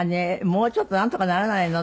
「もうちょっとなんとかならないの？」